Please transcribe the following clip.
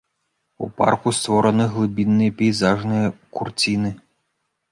У парку створаны глыбінныя пейзажныя курціны.